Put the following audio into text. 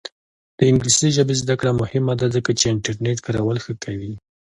د انګلیسي ژبې زده کړه مهمه ده ځکه چې انټرنیټ کارول ښه کوي.